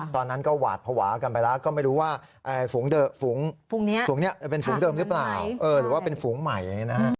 ตอนนั้นก็หวาดพวากันไปแล้วก็ไม่รู้ว่าฝูงเดิมหรือเปล่าหรือว่าเป็นฝูงใหม่อย่างนี้นะครับ